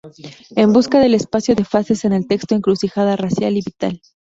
En busca del espacio de fases" en el texto "Encrucijada racional y vital".